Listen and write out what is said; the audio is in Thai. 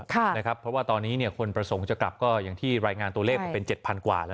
เพราะว่าตอนนี้คนประสงค์จะกลับก็อย่างที่รายงานตัวเลขมาเป็น๗๐๐กว่าแล้ว